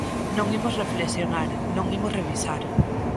Non imos reflexionar, non imos revisar.